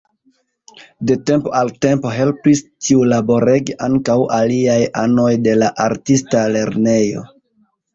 De tempo al tempo helpis tiulaborege ankaŭ aliaj anoj de la artista lernejo.